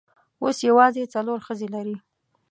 اوس یوازې څلور ښځې لري.